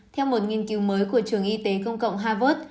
theo một nghiên cứu mới của trường y tế công cộng harvard